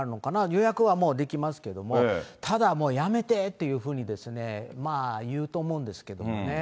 予約はもうできますけども、ただもう、やめてっていうふうにですね、言うと思うんですけどもね。